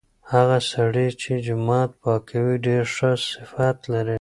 هغه سړی چې جومات پاکوي ډیر ښه صفت لري.